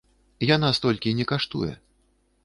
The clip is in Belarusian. Яна столькі не каштуе.